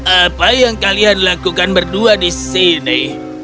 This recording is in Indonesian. apa yang kalian lakukan berdua di sini